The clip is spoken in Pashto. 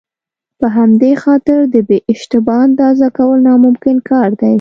په همدې خاطر د بې اشتباه اندازه کول ناممکن کار دی.